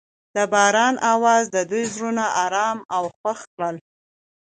د باران اواز د دوی زړونه ارامه او خوښ کړل.